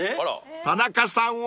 ［田中さんは？］